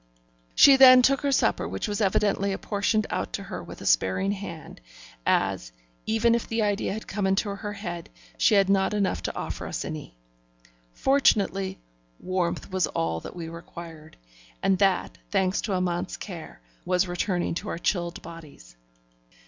She then took her supper, which was evidently apportioned out to her with a sparing hand, as, even if the idea had come into her head, she had not enough to offer us any. Fortunately, warmth was all that we required, and that, thanks to Amante's cares, was returning to our chilled bodies.